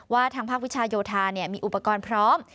ทางภาควิชาโยธามีอุปกรณ์พร้อม